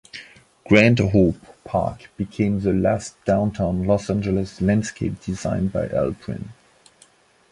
Grand Hope Park became the last downtown Los Angeles landscape designed by Halprin.